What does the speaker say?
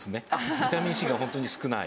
ビタミンＣがホントに少ない。